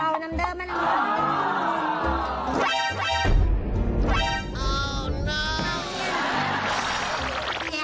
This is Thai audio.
เป่านำเดิมมาหน่อย